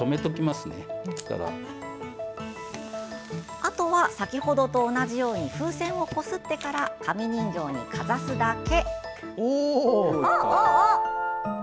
あとは先ほどと同じように風船をこすってから紙人形にかざすだけ。